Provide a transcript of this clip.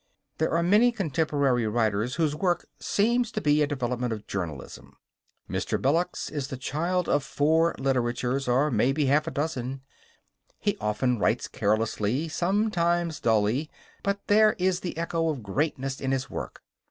There are many contemporary writers whose work seems to be a development of journalism. Mr. Belloc's is the child of four literatures, or, maybe, half a dozen. He often writes carelessly, sometimes dully but there is the echo of greatness in his work.